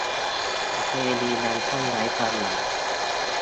ประเพณีนั้นก็ไร้ความหมาย